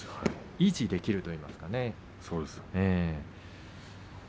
維持できるといいますかね。